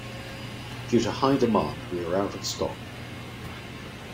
Due to high demand, we are out of stock.